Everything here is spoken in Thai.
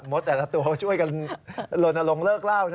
แต่ละตัวช่วยกันลนลงเลิกเล่า